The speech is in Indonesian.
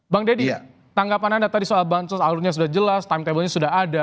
bang deddy tanggapan anda tadi soal bansos alurnya sudah jelas timetable nya sudah ada